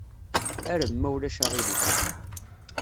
Arem, ma ulac aɣilif.